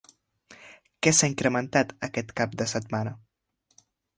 Què s'ha incrementat aquest cap de setmana?